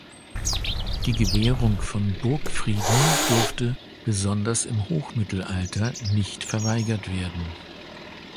Die Gewährung von Burgfrieden durfte, besonders im Hochmittelalter, nicht verweigert werden.